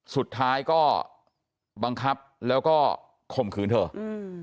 สุดท้ายก็บังคับแล้วก็ข่มขืนเธออืม